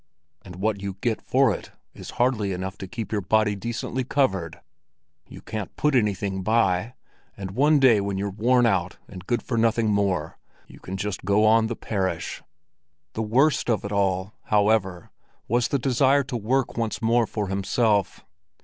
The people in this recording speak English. And what you get for it is hardly enough to keep your body decently covered. You can't put anything by, and one day when you're worn out and good for nothing more, you can just go on the parish." The worst of it all, however, was the desire to work once more for himself.